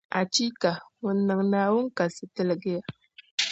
Achiika! Ŋun niŋ Naawuni kasi tilgi ya.